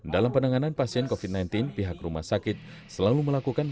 dalam penanganan pasien covid sembilan belas pihak rumah sakit selalu melakukan